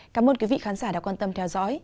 cảm ơn quý vị khán giả đã quan tâm theo dõi